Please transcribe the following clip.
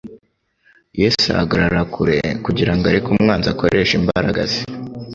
Yesu ahagarara kure kugira ngo areke umwanzi akoreshe imbaraga ze,